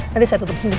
nanti saya tutup sendiri